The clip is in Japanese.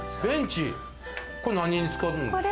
これは何に使うんですか？